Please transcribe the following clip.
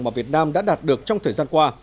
mà việt nam đã đạt được trong thời gian qua